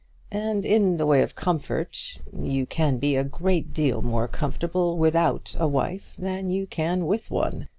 And in the way of comfort, you can be a great deal more comfortable without a wife than you can with one.